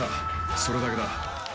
それだけだ。